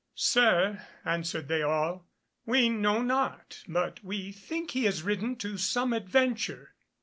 "Sir," answered they all, "we know not, but we think he has ridden to some adventure."